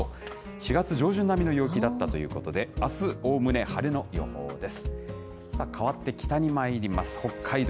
４月上旬並みの陽気だったということで、あす、おおむね晴れの予報です。